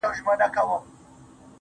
ياره د مُلا په قباله دې سمه,